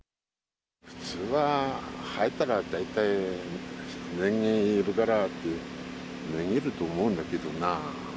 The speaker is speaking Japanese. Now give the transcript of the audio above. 普通は入ったら、大体人間いるからって、逃げると思うんだけどな。